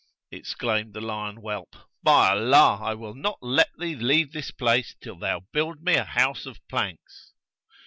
Exclaimed the lion whelp, By Allah, 'I will not let thee leave this place till thou build me a house of planks.'